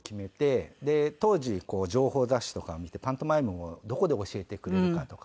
で当時情報雑誌とかを見てパントマイムをどこで教えてくれるかとか。